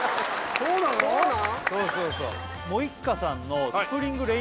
そうなん？